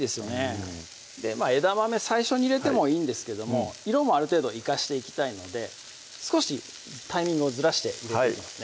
うん枝豆最初に入れてもいいんですけども色もある程度生かしていきたいので少しタイミングをずらして入れていきますね